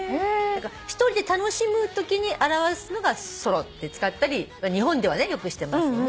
一人で楽しむときに表すのがソロって使ったり日本ではよくしてますよね。